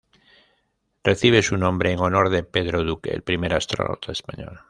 Recibe su nombre en honor de Pedro Duque, el primer astronauta español.